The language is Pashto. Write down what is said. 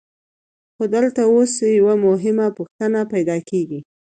خو دلته اوس یوه مهمه پوښتنه پیدا کېږي